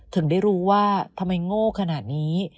ถึงได้รู้ว่าทำไมโง่ขนาดนี้